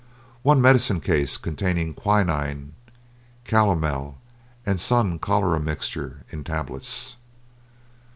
One medicine case containing quinine, calomel, and Sun Cholera Mixture in tablets.